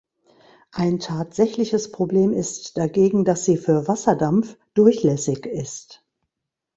Ein tatsächliches Problem ist dagegen, dass sie für Wasserdampf durchlässig ist.